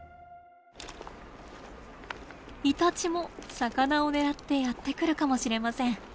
イタチも魚を狙ってやって来るかもしれません。